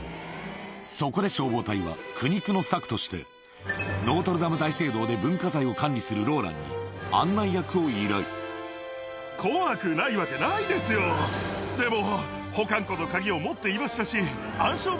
そこで消防隊は苦肉の策としてノートルダム大聖堂で文化財を管理するローランに案内役を依頼でも。